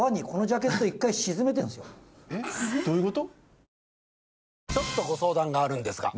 どういうこと？